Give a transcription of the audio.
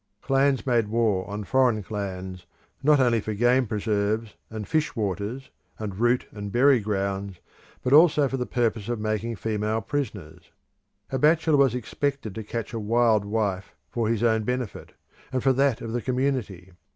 Clans made war on foreign clans not only for game preserves, and fish waters, and root, and berry grounds, but also for the purpose of making female prisoners. A bachelor was expected to catch a wild wife for his own benefit, and for that of the community.